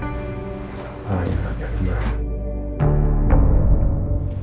gak paham ya gimana